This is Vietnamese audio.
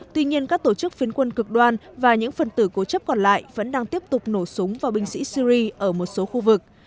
tuy nhiên các tổ chức phiến quân cực đoan và những phần tử cố chấp còn lại vẫn đang tiếp tục nổ súng vào binh sĩ syri ở một số khu vực